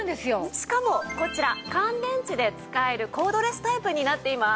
しかもこちら乾電池で使えるコードレスタイプになっています。